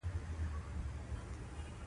په بس کې کېناستو او شیطانانو پسې ورغلو.